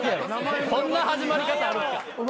そんな始まり方あるんすか？